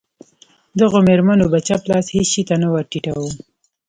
دغو مېرمنو به چپ لاس هېڅ شي ته نه ور ټیټاوه.